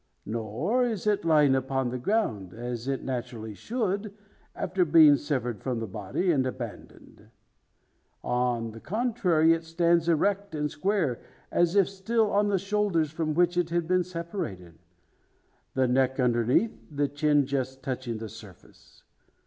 Nor is it lying upon the ground, as it naturally should, after being severed from the body, and abandoned. On the contrary, it stands erect, and square, as if still on the shoulders from which it has been separated; the neck underneath, the chin just touching the surface.